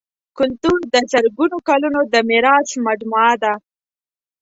کلتور د زرګونو کلونو د میراث مجموعه ده.